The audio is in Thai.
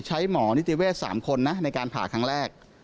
หมอนิติเวศ๓คนนะในการผ่าครั้งแรก